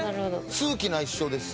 「数奇な一生」です！